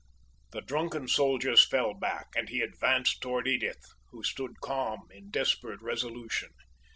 The drunken soldiers fell back, and he advanced toward Edith, who stood calm in desperate resolution.